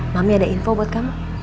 mami ada info buat kamu